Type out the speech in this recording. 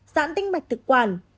giãn tích mạch thực quản